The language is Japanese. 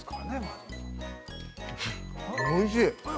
おいしい。